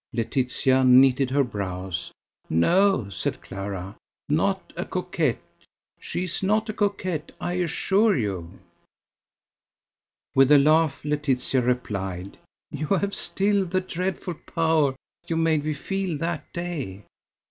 Laetitia knitted her brows. "No," said Clara, "not a coquette: she is not a coquette, I assure you." With a laugh, Laetitia replied: "You have still the 'dreadful power' you made me feel that day."